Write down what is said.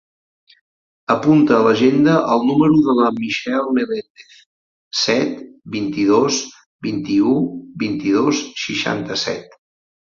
Apunta a l'agenda el número de la Michelle Melendez: set, vint-i-dos, vint-i-u, vint-i-dos, seixanta-set.